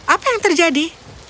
apa yang terjadi